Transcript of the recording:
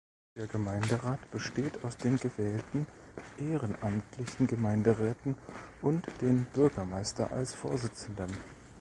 Der Gemeinderat besteht aus den gewählten ehrenamtlichen Gemeinderäten und dem Bürgermeister als Vorsitzendem.